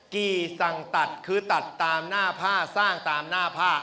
ี่สั่งตัดคือตัดตามหน้าผ้าสร้างตามหน้าผ้า